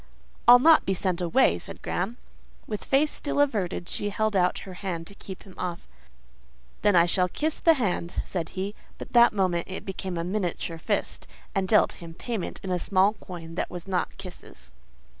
"I'll not be sent away," said Graham. With face still averted, she held out her hand to keep him off. "Then, I shall kiss the hand," said he; but that moment it became a miniature fist, and dealt him payment in a small coin that was not kisses.